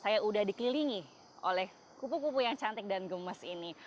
saya sudah dikelilingi oleh pupu pupu yang cantik dan gemes ini